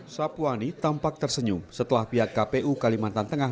sapuani tampak tersenyum setelah pihak kpu kalimantan tengah